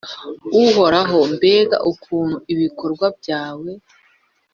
uhoraho, mbega ukuntu ibikorwa byawe